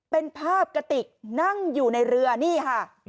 เป็นภาพกระติกนั่งอยู่ในเรือนี่ค่ะ